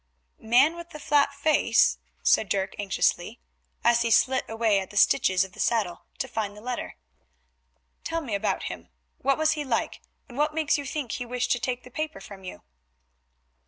"Man with a flat face," said Dirk anxiously, as he slit away at the stitches of the saddle to find the letter; "tell me about him. What was he like, and what makes you think he wished to take the paper from you?"